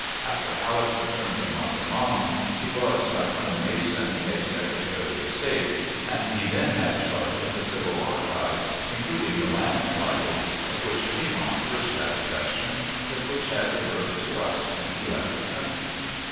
After Halleck's return from Mazatlan, he was, by Colonel Mason, made Secretary of State; and he then had charge of the civil archives, including the land titles, of which Fremont first had possession, but which had reverted to us when he left the country.